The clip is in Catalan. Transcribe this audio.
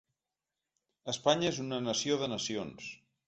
Espanya és una nació de nacions.